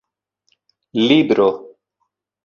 libro